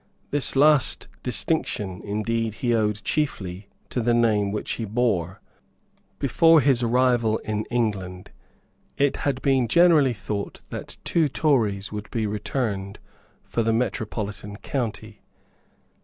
This last distinction, indeed, he owed chiefly to the name which he bore. Before his arrival in England it had been generally thought that two Tories would be returned for the metropolitan county.